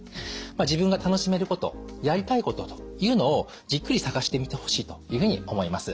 自分が楽しめることやりたいことというのをじっくり探してみてほしいというふうに思います。